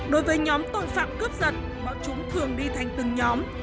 đối với nhóm tội phạm cướp giật bọn chúng thường đi thành từng nhóm